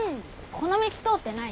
この道通ってない。